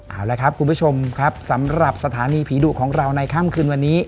เอาละครับคุณผู้ชมครับสำหรับสถานีผีดุของเราในค่ำคืนวันนี้